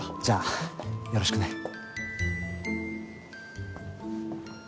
じゃあよろしくね。